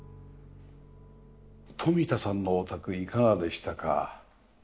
冨田さんのお宅いかがでしたか？